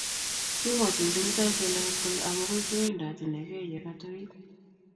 Kimwochin Kimutai Jelagat kole amakoi kowendot inekei yekatuit